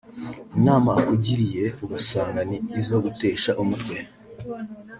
inama akugiriye ugasanga ni izo kugutesha umutwe